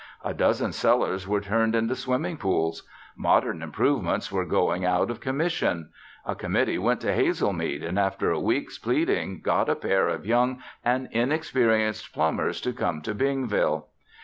A dozen cellars were turned into swimming pools. Modern improvements were going out of commission. A committee went to Hazelmead and after a week's pleading got a pair of young and inexperienced plumbers to come to Bingville.